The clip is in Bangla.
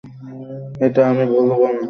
এটা আমি ভুলব না।